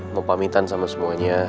mau pamitan sama semuanya